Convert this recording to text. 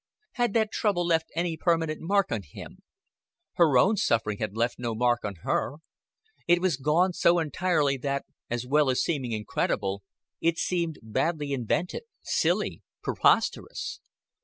Had that trouble left any permanent mark on him? Her own suffering had left no mark on her. It was gone so entirely that, as well as seeming incredible, it seemed badly invented, silly, preposterous.